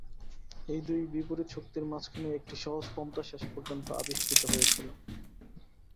এই দুই বিপরীত শক্তির মাঝখানেই একটি সহজ পন্থা শেষ পর্যন্ত আবিষ্কৃত হয়েছিল।